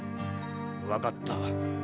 分かった。